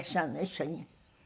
一緒に。